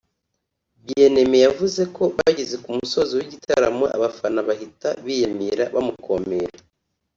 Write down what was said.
Bien-Aime yavuze ko bageze ku musozo w’igitaramo abafana bahita biyamira bamukomera